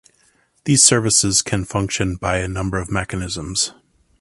These services can function by a number of mechanisms.